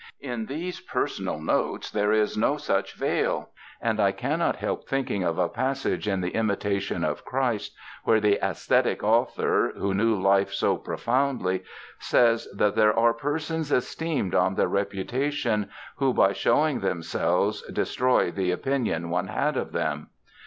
In these personal notes there is no such veil. And I cannot help thinking of a passage in the "Imitation of Christ" where the ascetic author, who knew life so profoundly, says that "there are persons esteemed on their reputation who by showing themselves destroy the opinion one had of them."